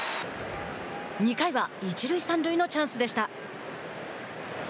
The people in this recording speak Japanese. ２回は、一塁三塁のチャンスでした。